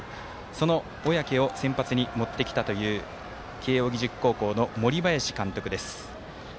その小宅を先発に持ってきたという慶応義塾高校の森林監督です。